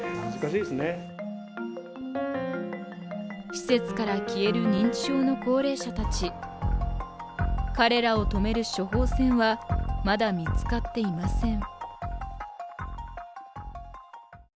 施設から消える認知症の高齢者たち彼らを止める処方箋はまだ見つかっていません。